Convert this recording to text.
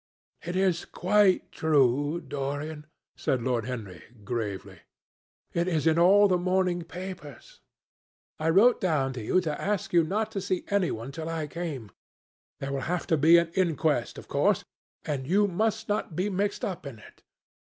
"It is quite true, Dorian," said Lord Henry, gravely. "It is in all the morning papers. I wrote down to you to ask you not to see any one till I came. There will have to be an inquest, of course, and you must not be mixed up in it.